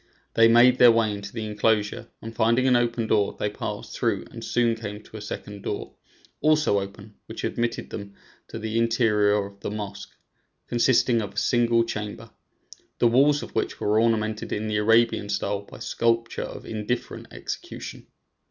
They made their way into the enclosure, and finding an open door, they passed through and soon came to a second door, also open, which admitted them to the interior of the mosque, consisting of a single chamber, the walls of which were ornamented in the Arabian style by sculptures of indifferent execution.